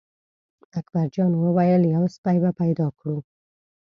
اکبر جان وویل: یو سپی به پیدا کړو.